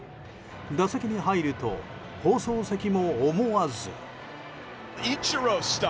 打席に入ると放送席も思わず。